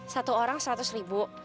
satu orang seratus ribu